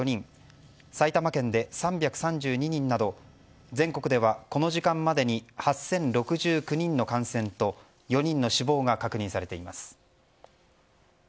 埼玉県で３３２人など全国ではこの時間までに８０６９人の感染と４人の死亡が確認されています。